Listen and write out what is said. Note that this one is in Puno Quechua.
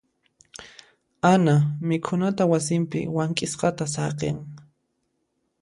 Ana mikhunata wasinpi wank'isqata saqin.